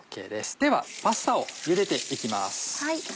ではパスタをゆでて行きます。